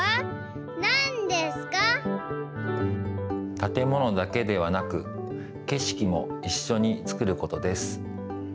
たてものだけではなくけしきもいっしょにつくることです。